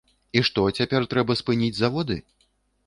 І што, цяпер трэба спыніць заводы?